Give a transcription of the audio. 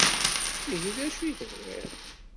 Ihi d acu i tebɣiḍ?